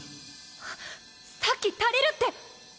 はっさっき足りるって！